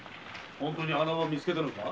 本当に穴場を見つけたのか？